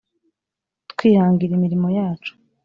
twihangira imirimo yacu,